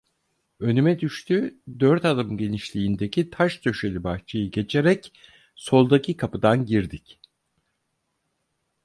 Önüme düştü, dört adım genişliğindeki taş döşeli bahçeyi geçerek soldaki kapıdan girdik.